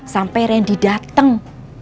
sampai randy datang